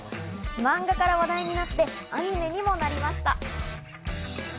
漫画から話題になってアニメにもなりました。